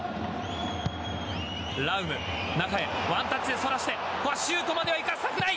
ラウム中へ、ワンタッチでそらしてシュートまではいかせたくない。